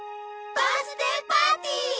バースデーパーティー！